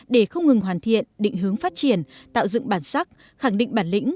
để không ngừng hoàn thiện định hướng phát triển tạo dựng bản sắc khẳng định bản lĩnh